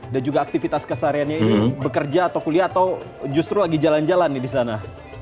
dan juga aktivitas kesahariannya ini bekerja atau kuliah atau justru lagi jalan jalan nih di sana